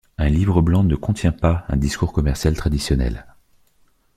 Un livre blanc ne contient pas un discours commercial traditionnel.